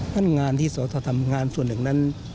นั่นงานที่สวัสดิ์ธรรมงานส่วนหนึ่งนั้น